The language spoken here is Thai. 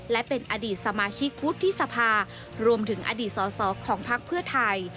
และเป็นอดีตสมาชิกวุฒิสภารวมถึงอดีตสอสอของพักเพื่อไทย